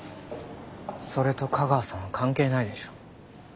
それと架川さんは関係ないでしょう。